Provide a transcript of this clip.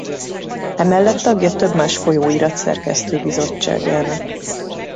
Emellett tagja több más folyóirat szerkesztőbizottságának.